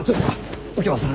右京さん